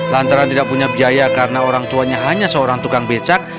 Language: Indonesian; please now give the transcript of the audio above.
lantaran tidak punya biaya karena orang tuanya hanya seorang tukang becak